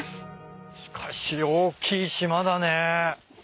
しかし大きい島だね。